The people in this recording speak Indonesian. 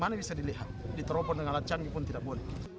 mana bisa dilihat diteropon dengan alat canggih pun tidak boleh